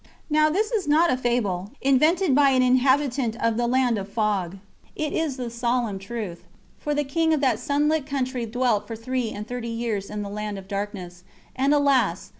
Now this is not a fable, invented by an inhabitant of the land of fogs, it is the solemn truth, for the King of that sunlit country dwelt for three and thirty years in the land of darkness, and alas!